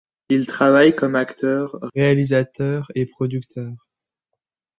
Il travaille comme acteur, réalisateur et producteur.